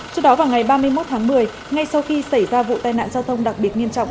trước đó vào ngày ba mươi một tháng một mươi ngay sau khi xảy ra vụ tai nạn giao thông đặc biệt nghiêm trọng